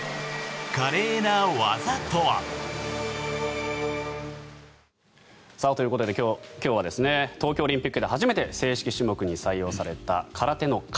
華麗な技とは。ということで今日は東京オリンピックで初めて正式種目に採用された空手の形。